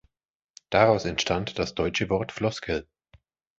Daraus entstand das deutsche Wort „Floskel“.